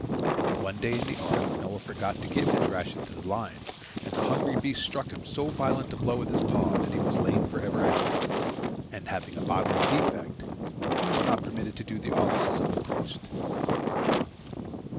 One day in the ark Noah forgot to give his ration to the lion, and the hungry beast struck him so violent a blow with his paw that he was lame forever after, and, having a bodily defect, he was not permitted to do the offices of a priest.